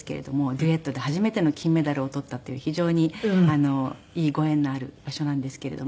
デュエットで初めての金メダルを取ったっていう非常にいいご縁のある場所なんですけれども。